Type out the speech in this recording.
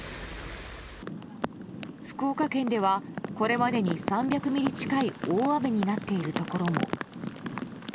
福岡県では、これまでに３００ミリ近い大雨になっているところも。